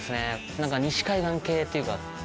何か西海岸系というか。